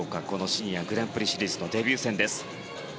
シニアグランプリシリーズデビュー戦。